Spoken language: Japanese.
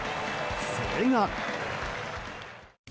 それが。